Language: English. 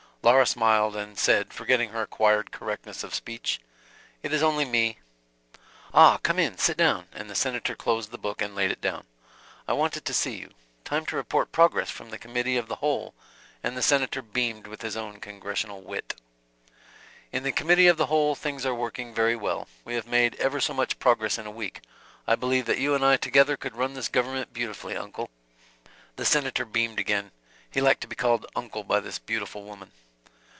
Laura smiled, and said, forgetting her acquired correctness of speech, "It is only me." "Ah, come in, sit down," and the Senator closed the book and laid it down. "I wanted to see you. Time to report progress from the committee of the whole," and the Senator beamed with his own congressional wit. "In the committee of the whole things are working very well. We have made ever so much progress in a week. I believe that you and I together could run this government beautifully, uncle." The Senator beamed again. He liked to be called "uncle" by this beautiful woman.